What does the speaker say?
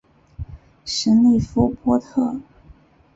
什里夫波特。